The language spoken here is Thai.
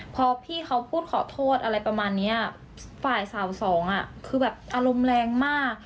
พอพี่เขาพูดขอโทษอะไรประมาณเนี้ยฝ่ายสาวสองอ่ะคือแบบอารมณ์แรงมาก